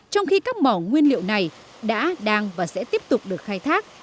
trong khi các mỏ nguyên liệu này đã đang và sẽ tiếp tục được khai thác